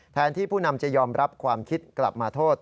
แทนที่ผู้นำจะยอมรับความคิดกลับมาโทษ